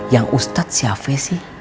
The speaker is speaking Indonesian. yang ustadz si ave sih